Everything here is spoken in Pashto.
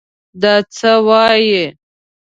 دا څه وايې!